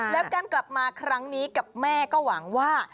แล้วการกลับมาครั้งนี้กับแม่ก็หวังว่า